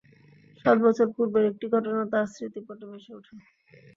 সাত বছর পূর্বের একটি ঘটনা তাঁর স্মৃতির পটে ভেসে উঠে।